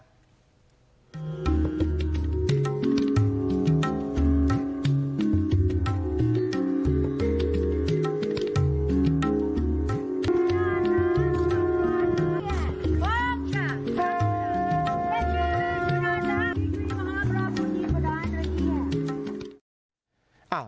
ขอบคุณครับพระอาจารย์ขอบคุณครับ